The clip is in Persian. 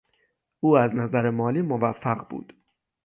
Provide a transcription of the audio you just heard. او از نظر مالی موفق بود.